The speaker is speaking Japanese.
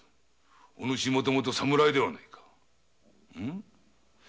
おぬしもともと侍ではないか。